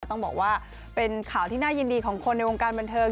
ต้องบอกว่าเป็นข่าวที่น่ายินดีของคนในวงการบันเทิง